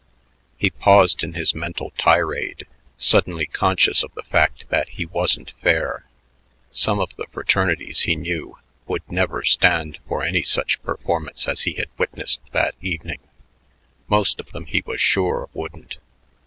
He paused in his mental tirade, suddenly conscious of the fact that he wasn't fair. Some of the fraternities, he knew, would never stand for any such performance as he had witnessed that evening; most of them, he was sure, wouldn't.